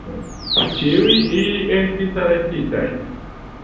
Ĉiuj ili estis arestitaj.